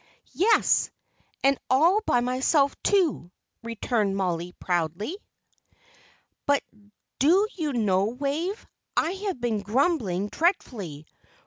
"Yes, and all by myself, too," returned Mollie, proudly. "But do you know, Wave, I have been grumbling dreadfully.